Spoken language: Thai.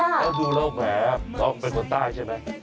แล้วดูเราก็แบบคล่องไปตรงใต้ใช่ไหม